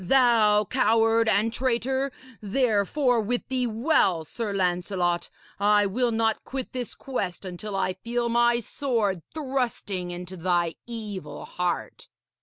Thou coward and traitor! Therefore, wit thee well, Sir Lancelot, I will not quit this quest until I feel my sword thrusting into thy evil heart.'